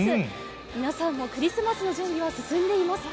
皆さんもクリスマスの準備は進んでいますか？